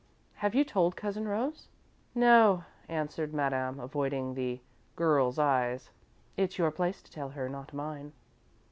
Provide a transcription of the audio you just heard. "Have you told Cousin Rose?" "No," answered Madame, avoiding the girl's eyes. "It's your place to tell her not mine."